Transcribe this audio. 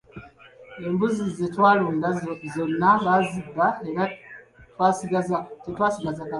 Embuzi ze twalunda zonna baazibba era tetwasigaza kantu konna.